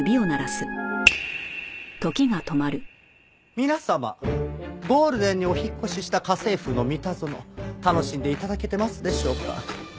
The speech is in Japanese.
皆様ゴールデンにお引っ越しした『家政夫のミタゾノ』楽しんで頂けてますでしょうか？